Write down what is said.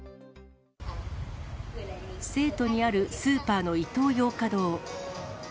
成都にあるスーパーのイトーヨーカドー。